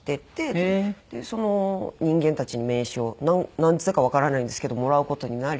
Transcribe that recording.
その人間たちに名刺をなぜかわからないんですけどもらう事になり。